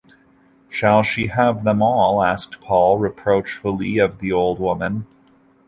“Shall she have them all?” asked Paul reproachfully of the old woman.